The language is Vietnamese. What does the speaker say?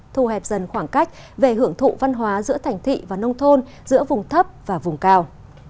thu hẹp dần khoảng cách về hưởng thụ văn hóa giữa thành thị và nông thôn giữa vùng thấp và vùng cao